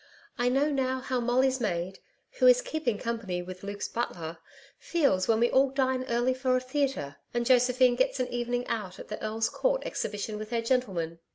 I know now how Molly's maid who is keeping company with Luke's butler feels when we all dine early for a theatre and Josephine gets an evening out at the Earl's Court Exhibition with her gentleman.